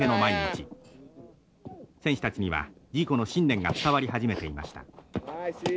選手たちにはジーコの信念が伝わり始めていました。